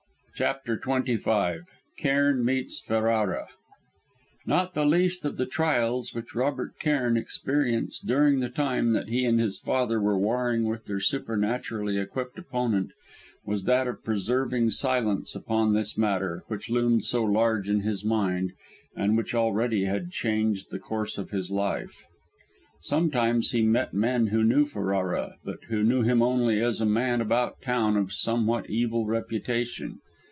CHAPTER XXV CAIRN MEETS FERRARA Not the least of the trials which Robert Cairn experienced during the time that he and his father were warring with their supernaturally equipped opponent was that of preserving silence upon this matter which loomed so large in his mind, and which already had changed the course of his life. Sometimes he met men who knew Ferrara, but who knew him only as a man about town of somewhat evil reputation.